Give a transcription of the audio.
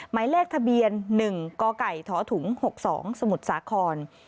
หมายเลขทะเบียน๑กถ๖๒สมุทรสาคร